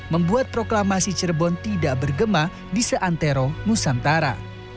membuat proklamasi cirebon tidak bergema di seantero nusantara